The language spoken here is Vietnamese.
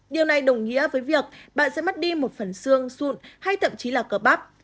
điều này đồng nghĩa với việc bạn sẽ mất đi một phần xương sụn hay thậm chí là cờ bắp